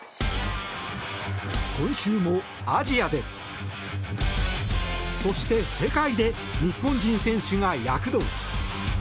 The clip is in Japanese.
今週もアジアで、そして世界で日本人選手が躍動。